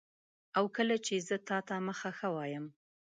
او کله چي زه تاته مخه ښه وایم